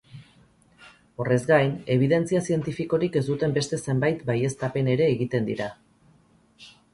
Horrez gain, ebidentzia zientifikorik ez duten beste zenbait baieztapen ere egiten dira.